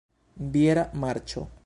Biera marĉo?